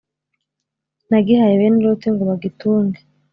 nagihaye bene loti ngo bagitunge